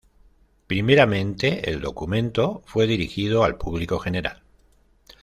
Primeramente, el documento fue dirigido al público general.